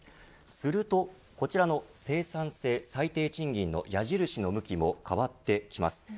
すると、こちらの生産性最低賃金の矢印の向きも変わってきます。